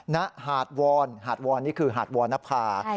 ในหาดวรหาดวรนี่คือหาดวรนภาค